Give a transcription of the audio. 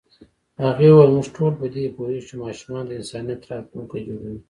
هغې وویل موږ ټول په دې پوهېږو چې ماشومان د انسانیت راتلونکی جوړوي.